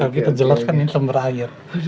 kita jelaskan ini sumber air